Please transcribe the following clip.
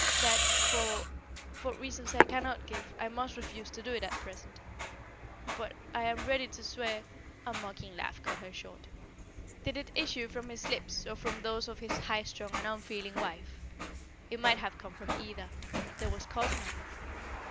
"That, for for reasons I cannot give, I must refuse to do at present. But I am ready to swear " A mocking laugh cut her short. Did it issue from his lips or from those of his highstrung and unfeeling wife? It might have come from either; there was cause enough.